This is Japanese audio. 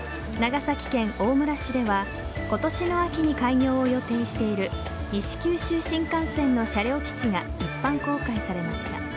長崎県大村市では今年の秋に開業を予定している西九州新幹線の車両基地が一般公開されました。